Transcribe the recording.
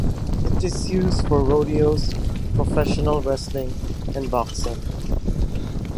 It is used for rodeos, professional wrestling and boxing.